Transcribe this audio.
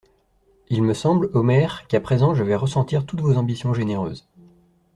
Il me semble, Omer, qu'à présent je vais ressentir toutes vos ambitions généreuses.